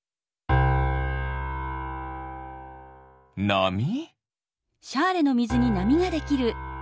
なみ？